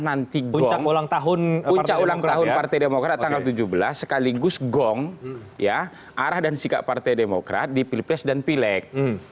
nanti puncak ulang tahun partai demokrat tanggal tujuh belas sekaligus gong arah dan sikap partai demokrat di pilpres dan pileg